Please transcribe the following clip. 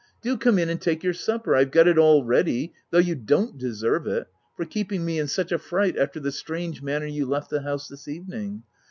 Do come in and take your supper — Fve got it all ready, though you don't deserve it, for keeping me in such a fright, after the strange manner you left the house this evening.